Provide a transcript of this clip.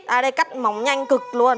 à đây cắt móng nhanh cực luôn